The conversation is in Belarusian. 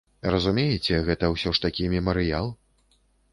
Разумееце, гэта ўсё ж такі мемарыял.